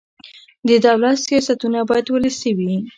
د دولت سیاستونه باید ولسي وي